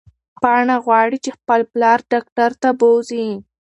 پاڼه غواړي چې خپل پلار ډاکټر ته بوځي.